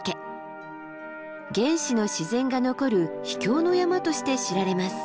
原始の自然が残る秘境の山として知られます。